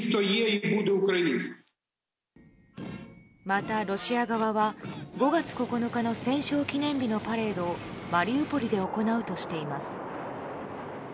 また、ロシア側は５月９日の戦勝記念日のパレードをマリウポリで行うとしています。